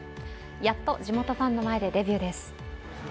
やっと地元ファンの前でデビューです。